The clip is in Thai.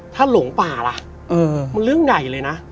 ถ้าหลงป่านะเออมันเรื่องใดเลยนะ